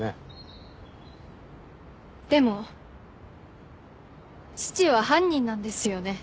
でも父は犯人なんですよね？